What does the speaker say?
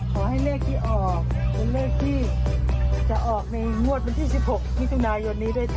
ขอให้เลขที่ออกเป็นเลขที่จะออกในงวดวันที่๑๖มิถุนายนนี้ด้วยจ้